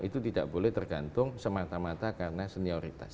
itu tidak boleh tergantung semata mata karena senioritas